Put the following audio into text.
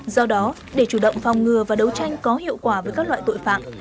do đó để chủ động phòng ngừa và đấu tranh có hiệu quả với các loại tội phạm